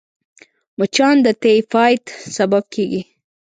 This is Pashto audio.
مچان د تيفايد سبب کېږي